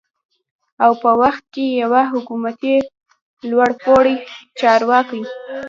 او په هغه وخت کې يوه حکومتي لوړپوړي چارواکي